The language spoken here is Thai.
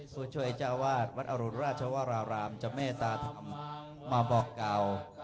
สุชวยจาวาสวัตถุราชวรรามจมตาธรรมมาบอกเก่า